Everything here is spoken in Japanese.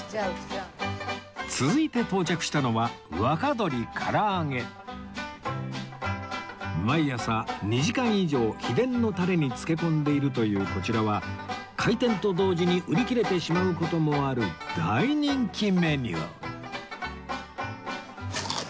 続いて到着したのは毎朝２時間以上秘伝のタレに漬け込んでいるというこちらは開店と同時に売り切れてしまう事もある大人気メニュー